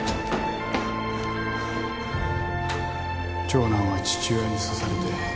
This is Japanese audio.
長男は父親に刺されて